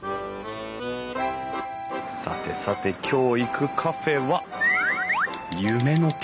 さてさて今日行くカフェは。